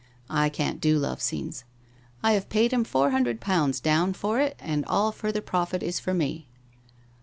I can't do love scenes. I have paid him four hundred pounds down for it and all farther profit is for me.'